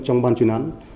trong ban chuyên án